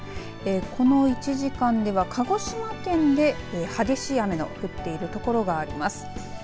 この１時間では鹿児島県で激しい雨の降っている所があります。